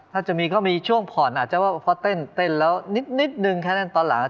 ถ้าจะมีก็มีช่วงผ่อนอาจจะว่าพอเต้นแล้วนิดนึงแค่นั้นตอนหลัง